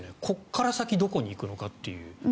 ここから先どこに行くのかという。